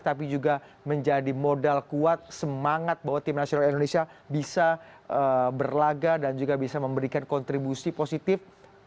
tapi juga menjadi modal kuat semangat bahwa tim nasional indonesia bisa berlaga dan juga bisa memberikan kontribusi positif